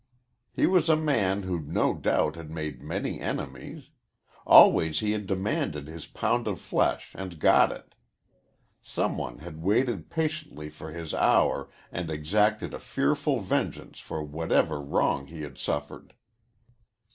He was a man who no doubt had made many enemies. Always he had demanded his pound of flesh and got it. Some one had waited patiently for his hour and exacted a fearful vengeance for whatever wrong he had suffered.